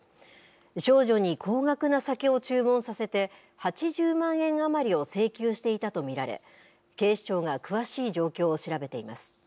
少女に高額な酒を注文させて、８０万円余りを請求していたと見られ、警視庁が詳しい状況を調べています。